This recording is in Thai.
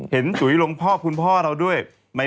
เห็นจุ้ยลงภาพของพ่อเราด้วย